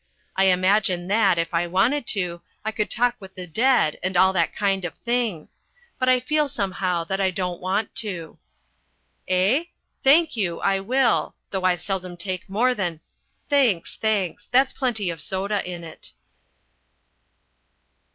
I imagine that, if I wanted to, I could talk with the dead and all that kind of thing. But I feel somehow that I don't want to. Eh? Thank you, I will though I seldom take more than thanks, thanks, that's plenty of soda in it.